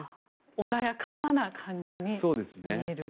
穏やかな感じに見えると。